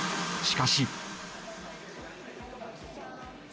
しかし。